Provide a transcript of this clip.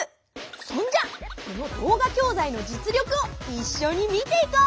そんじゃこの動画教材の実力をいっしょに見ていこう！